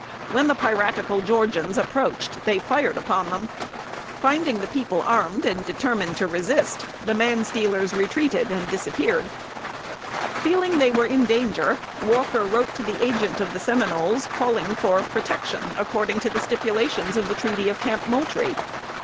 When the piratical Georgians approached, they fired upon them. Finding the people armed and determined to resist, the manstealers retreated and disappeared. Feeling they were in danger, Walker wrote the Agent of the Seminoles, calling for protection, according to the stipulations of the treaty of Camp Moultrie.